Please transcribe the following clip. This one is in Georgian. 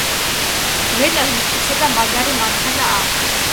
მეტად მტკიცე და მაგარი მერქანი აქვთ.